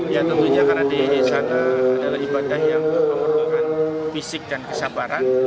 ya tentunya karena di sana adalah ibadah yang merupakan fisik dan kesabaran